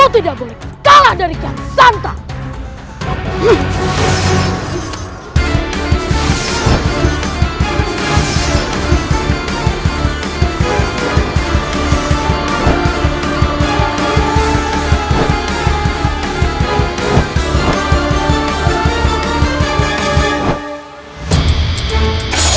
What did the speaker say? tidak boleh kalah dari kian santang